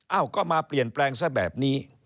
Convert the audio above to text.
ก็มาเปลี่ยนแปลงซะแบบนี้